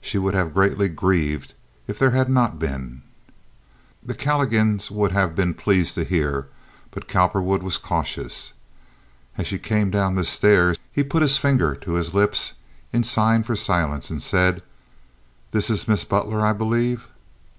She would have greatly grieved if there had not been. The Calligans would have been pleased to hear, but Cowperwood was cautious. As she came down the stairs he put his finger to his lips in sign for silence, and said, "This is Miss Butler, I believe."